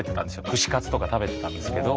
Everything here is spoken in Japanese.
串カツとか食べてたんですけど